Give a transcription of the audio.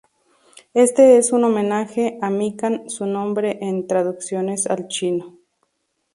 Este es un homenaje a Mikan su nombre en traducciones al chino.